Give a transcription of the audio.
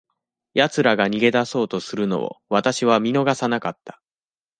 奴らが逃げ出そうとするのを、私は見逃さなかった。